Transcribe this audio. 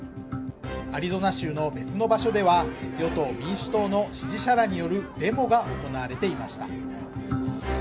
アリゾナ州の別の場所では与党・民主党の支持者らによるデモが行われていました。